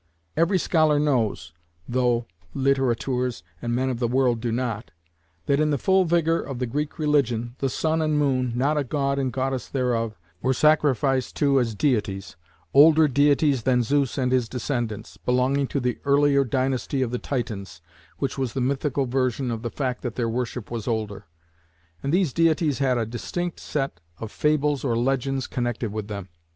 Every scholar knows, though littérateurs and men of the world do not, that in the full vigour of the Greek religion, the Sun and Moon, not a god and goddess thereof, were sacrificed to as deities older deities than Zeus and his descendants, belonging to the earlier dynasty of the Titans (which was the mythical version of the fact that their worship was older), and these deities had a distinct set of fables or legends connected with them.